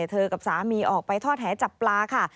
เธอกับสามีออกไปท่อแถวจับปลา